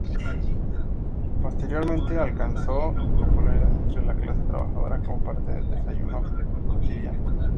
Posteriormente, alcanzó popularidad entre la clase trabajadora como parte del desayuno cotidiano.